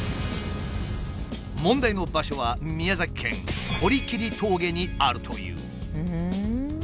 問題の場所は宮崎県堀切峠にあるという。